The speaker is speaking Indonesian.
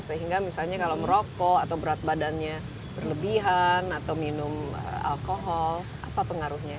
karena misalnya kalau merokok atau berat badannya berlebihan atau minum alkohol apa pengaruhnya